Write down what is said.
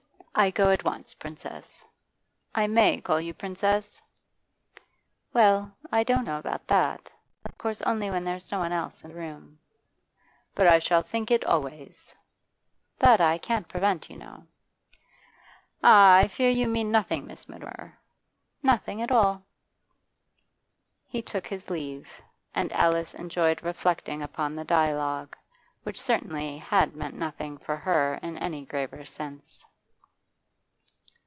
I go at once, Princess. I may call you Princess?' 'Well, I don't know about that. Of course only when there's no one else in the room.' 'But I shall think it always.' 'That I can't prevent, you know.' 'Ah, I fear you mean nothing, Miss Mutimer.' 'Nothing at all.' He took his leave, and Alice enjoyed reflecting upon the dialogue, which certainly had meant nothing for her in any graver sense.